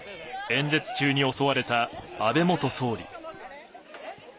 演説中に襲われた安倍元総理。